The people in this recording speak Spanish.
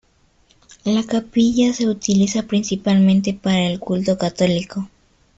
La capilla se utiliza principalmente para el culto católico.